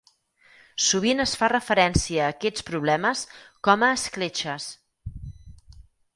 Sovint es fa referència a aquests problemes com a "escletxes".